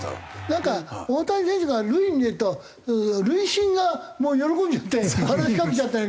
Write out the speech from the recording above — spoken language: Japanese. なんか大谷選手が塁に出ると塁審がもう喜んじゃって話しかけちゃったり。